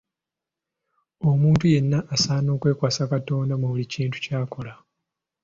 Omuntu yenna asaana okwekwasa Katonda mu buli kintu ky'akola.